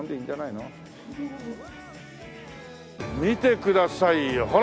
見てくださいよ！